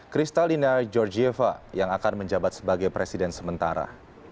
kristalina georgieva yang akan menjabat sebagai presiden sementara